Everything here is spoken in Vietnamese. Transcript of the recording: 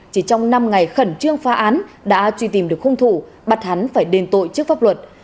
chỉ trong năm ngày khẩn trương phá án đã truy tìm được hung thủ bắt hắn phải đền tội trước pháp luật